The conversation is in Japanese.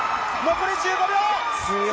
残り１５秒。